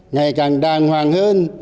ngày càng đàng hoàng hơn